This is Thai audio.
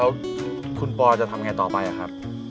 แล้วคุณปลอลจะทำงานต่อไปหรือครับ